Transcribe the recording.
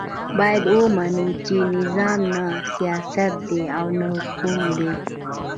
باید ومنو چې نظام نه سیاست دی او نه ګوند دی.